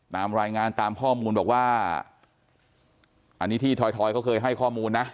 ตามรายงานตามข้อมูลบอกว่าอันนี้ที่ทอยเขาเคยให้ข้อมูลนะ